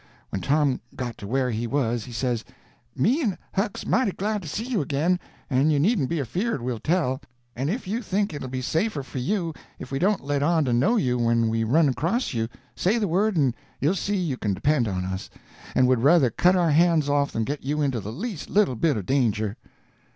When Tom got to where he was, he says: "Me and Huck's mighty glad to see you again, and you needn't be afeared we'll tell. And if you think it'll be safer for you if we don't let on to know you when we run across you, say the word and you'll see you can depend on us, and would ruther cut our hands off than get you into the least little bit of danger."